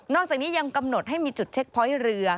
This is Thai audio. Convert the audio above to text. จากนี้ยังกำหนดให้มีจุดเช็คพอยต์เรือ